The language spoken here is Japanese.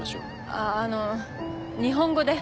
あっあのう日本語で。